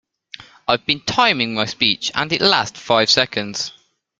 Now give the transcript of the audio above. I've been timing my speech, and it lasts five seconds.